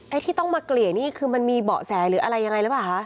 ที่ต้องมาเกลี่ยนี่คือมันมีเบาะแสหรืออะไรยังไงหรือเปล่าคะ